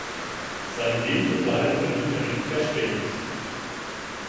Seinen Lebensunterhalt verdient er mit Cash Games.